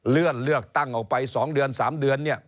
เลื่อนเลือกตั้งออกไปสองเดือนสามเดือนเนี่ย